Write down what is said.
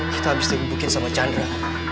kita habis dibukin sama chandra